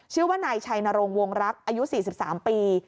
ชื่อว่านายชัยนรงวงรักอายุ๔๓ปี